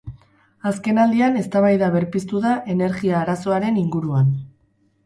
Azkenaldian eztabaida berpiztu da energia-arazoaren inguruan.